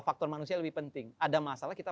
faktor manusia lebih penting ada masalah kita